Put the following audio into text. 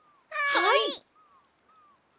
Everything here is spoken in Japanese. はい！